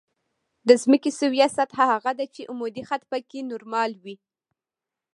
د ځمکې سویه سطح هغه ده چې عمودي خط پکې نورمال وي